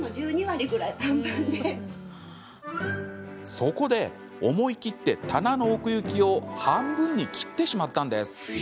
そこで思い切って棚の奥行きを半分に切ってしまったんです。